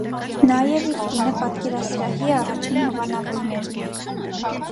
Նա և իր կինը պատկերասրահի առաջին հովանավորներն էին։